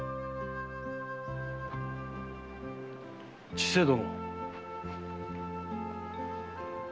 千世殿！